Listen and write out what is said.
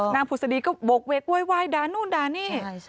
ผุศดีก็โบกเวกโวยวายด่านู่นด่านี่